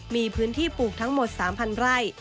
มีพื้นที่ปลูกทั้งหมด๓๐๐ไร่